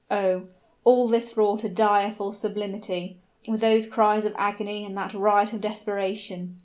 Oh! all this wrought a direful sublimity, with those cries of agony and that riot of desperation.